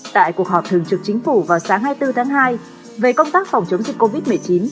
tại cuộc họp thường trực chính phủ vào sáng hai mươi bốn tháng hai về công tác phòng chống dịch covid một mươi chín